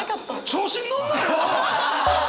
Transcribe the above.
調子に乗んなよ！